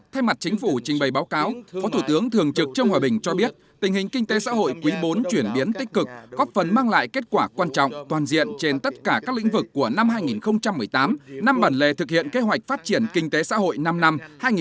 thay mặt chính phủ trình bày báo cáo phó thủ tướng thường trực trương hòa bình cho biết tình hình kinh tế xã hội quý bốn chuyển biến tích cực góp phần mang lại kết quả quan trọng toàn diện trên tất cả các lĩnh vực của năm hai nghìn một mươi tám năm bản lề thực hiện kế hoạch phát triển kinh tế xã hội năm năm hai nghìn một mươi một hai nghìn hai mươi